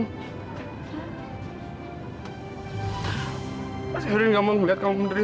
mas erwin gak mau melihat kamu sendiri